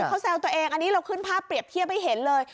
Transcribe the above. เขาแซวตัวเองอันนี้เราขึ้นภาพเปรียบเทียบให้เห็นเลย